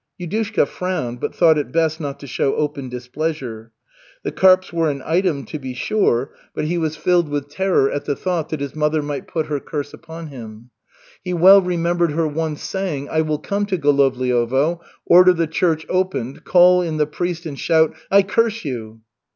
Yudushka frowned, but thought it best not to show open displeasure. The carps were an item, to be sure, but he was filled with terror at the thought that his mother might put her curse upon him. He well remembered her once saying: "I will come to Golovliovo, order the church opened, call in the priest and shout: 'I curse you!'"